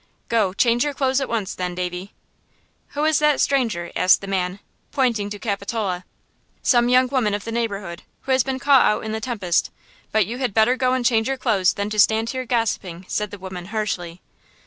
"Go, change your clothes at once then, Davy." "Who is that stranger?" asked the man, pointing to Capitola. "Some young woman of the neighborhood, who has been caught out in the tempest. But you had better go and change your clothes than to stand here gossiping," said the woman, harshly.